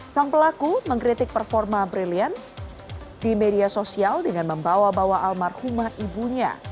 sang pelaku mengkritik performa brilliant di media sosial dengan membawa bawa almarhumah ibunya